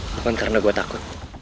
bukan karena gue takut